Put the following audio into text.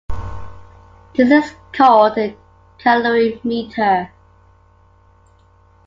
This is called a calorimeter.